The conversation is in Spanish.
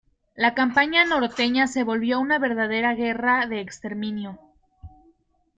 La campaña norteña se volvió una verdadera guerra de exterminio.